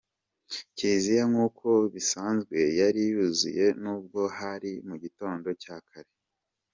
Kiliziya nk’uko bisanzwe yari yuzuye, n’ubwo hari mu gitondo cya kare.